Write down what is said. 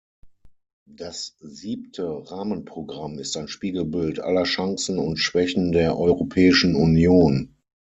Das Siebte Rahmenprogramm ist ein Spiegelbild aller Chancen und Schwächen der Europäischen Union.